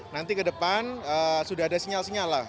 nanti ke depan sudah ada sinyal sinyal lah